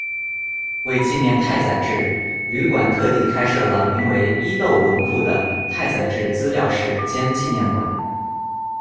为纪念太宰治，旅馆特地开设了名为“伊豆文库”的太宰治资料室兼纪念馆。